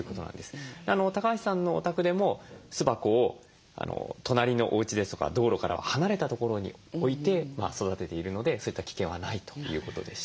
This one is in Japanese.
橋さんのお宅でも巣箱を隣のおうちですとか道路から離れた所に置いて育てているのでそういった危険はないということでした。